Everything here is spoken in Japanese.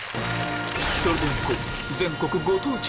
それではいこう！